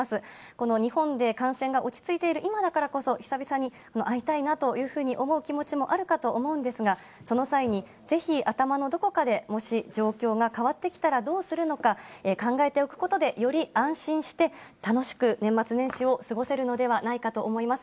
この日本で感染が落ち着いている今だからこそ、久々に会いたいなというふうに思う気持ちもあるかと思うんですが、その際にぜひ頭のどこかで、もし状況が変わってきたらどうするのか、考えておくことで、より安心して、楽しく年末年始を過ごせるのではないかと思います。